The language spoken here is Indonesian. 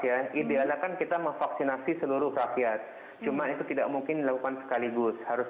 ya ideal akan kita mevaksinasi seluruh rakyat cuma itu tidak mungkin dilakukan sekaligus harus